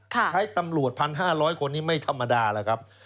ใช้ตำรวจ๑๕๐๐คนนี้ไม่ธรรมดาแล้วครับ